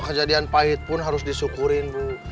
kejadian pahit pun harus disyukurin bu